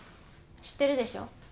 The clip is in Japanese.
知ってるでしょ